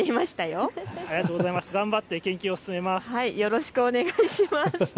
よろしくお願いします。